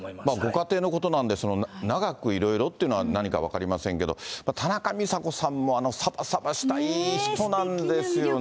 ご家庭のことなんで、長くいろいろというのは、何か分かりませんけれども、田中美佐子さんも、さばさばしたいい人なんですよね。